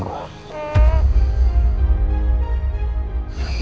masih gak bersih asam